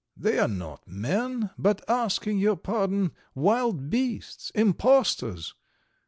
They are not men, but, asking your pardon, wild beasts, impostors.